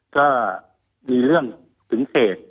ก็ก็มีเรื่องถึงกตัวขยายไปครับ